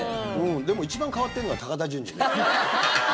でも一番変わってるのは高田純次だよね。